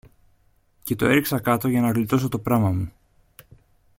και το έριξα κάτω για να γλιτώσω το πράμα μου.